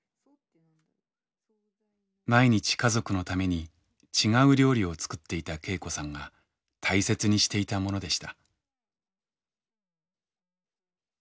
毎日家族のために違う料理を作っていた恵子さんが大切にしていたものでした。